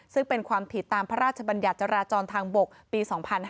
ซึ่งเป็นความผิดตามพระราชบัญญัติจราจรทางบกปี๒๕๕๙